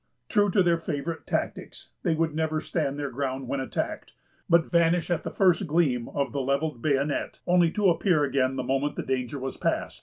True to their favorite tactics, they would never stand their ground when attacked, but vanish at the first gleam of the levelled bayonet, only to appear again the moment the danger was past.